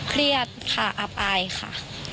เครียดค่ะอับอายค่ะ